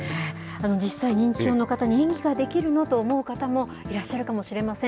実際、認知症の方に演技ができるの？と思う方もいらっしゃるかもしれません。